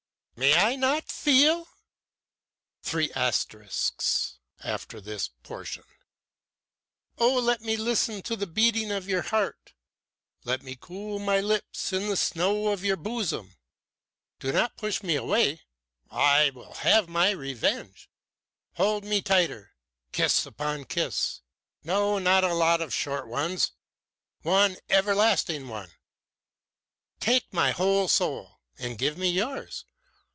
"May I not feel . Oh, let me listen to the beating of your heart! Let me cool my lips in the snow of your bosom! Do not push me away! I will have my revenge! Hold me tighter! Kiss upon kiss! No, not a lot of short ones! One everlasting one! Take my whole soul and give me yours!